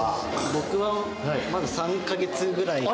僕はまだ３か月ぐらいで。